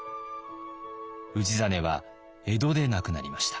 氏真は江戸で亡くなりました。